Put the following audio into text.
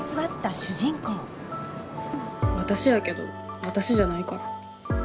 私やけど私じゃないから。